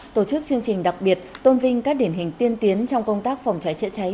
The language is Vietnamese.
tổ chức chương trình đặc biệt tôn vinh các điển hình tiên tiến trong công tác phòng cháy chữa cháy